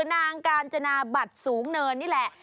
นางกาญจนาบัตรสูงเนินนี่แหละ